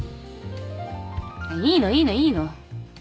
いいのいいのいいの！